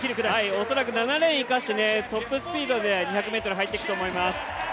おそらく７レーン生かしてトップスピードで２００ｍ入ってくると思います。